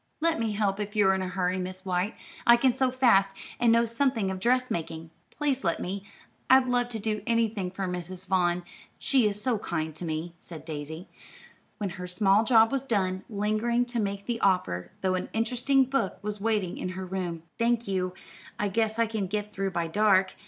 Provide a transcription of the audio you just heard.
"Let me help, if you are in a hurry, Miss White. I can sew fast, and know something of dressmaking. Please let me. I'd love to do anything for Mrs. Vaughn, she is so kind to me," said Daisy, when her small job was done, lingering to make the offer, though an interesting book was waiting in her room. "Thank you, I guess I can get through by dark.